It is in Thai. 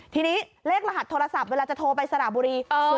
ทีนี้เลขรหัสโทรศัพท์เวลาจะโทรไปสระบุรี